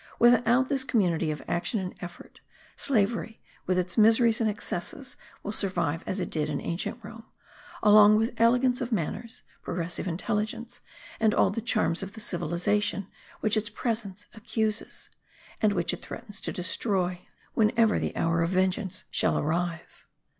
Without this community of action and effort slavery, with its miseries and excesses, will survive as it did in ancient Rome,* along with elegance of manners, progressive intelligence, and all the charms of the civilization which its presence accuses, and which it threatens to destroy, whenever the hour of vengeance shall arrive.